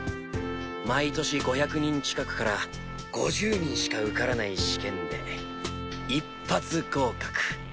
毎年５００人近くから５０人しか受からない試験で一発合格。